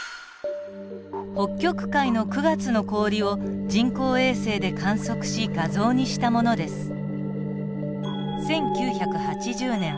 北極海の９月の氷を人工衛星で観測し画像にしたものです。